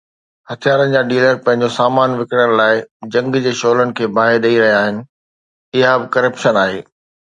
هٿيارن جا ڊيلر پنهنجو سامان وڪڻڻ لاءِ جنگ جي شعلن کي باهه ڏئي رهيا آهن، اها به ڪرپشن آهي.